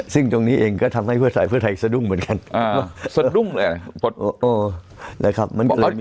ซึ่งตรงนี้เองก็ทำให้เพื่อสายเพื่อไทยสะดุ้งเหมือนกัน